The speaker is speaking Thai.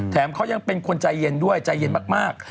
แถมเขายังเป็นคนใจเย็นด้วยใจเย็นมาก